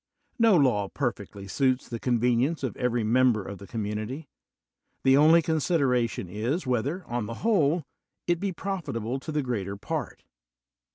No law perfectly suits the convenience of every mem ber of the community ; the only consideration is, whether, on the whole, it be profitable to the greater part.